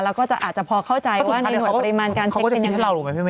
แล้วก็จะอาจจะพอเข้าใจว่าในหน่วยปริมาณการเซ็กเป็นยังไง